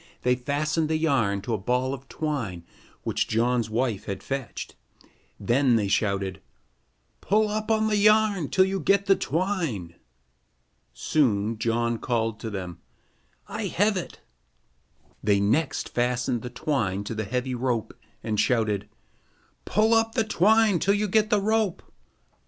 They fastened the yarn to a ball of twine which John's wife had fetched. Then they shouted: "Pull up the yarn till you get the twine." Soon John called to them: "I have it." They next fastened the twine to the heavy rope and shouted: "Pull up the twine till you get the rope."